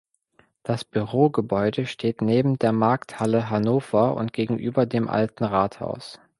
Das Bürogebäude steht neben der Markthalle Hannover und gegenüber dem Alten Rathaus.